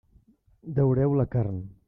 Daureu la carn.